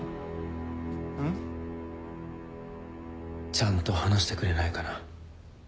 ちゃんと話してくれないかな。